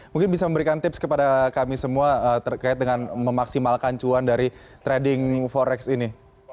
mungkin bisa memberikan tips kepada kami semua terkait dengan memaksimalkan cuan dari trading forex ini